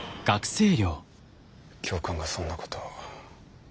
教官がそんなことを。